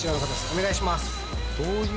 お願いします